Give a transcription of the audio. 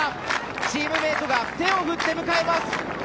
チームメートが手を振って迎えます。